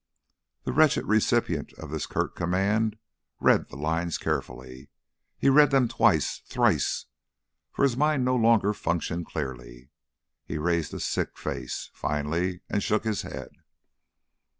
The wretched recipient of this curt command read the lines carefully. He read them twice, thrice, for his mind no longer functioned clearly. He raised a sick face, finally, and shook his head.